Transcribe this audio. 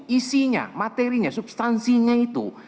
isinya materinya substansinya itu